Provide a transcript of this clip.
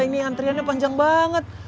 ini antriannya panjang banget